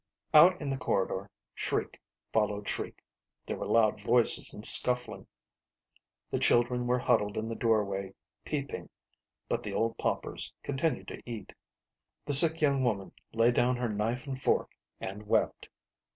Out in the corridor shriek followed shriek ; there were loud voices and scuffling. The children were huddled in the doorway, peeping, but the old paupers continued to eat. The sick young woman laid down her knife and fork and wept.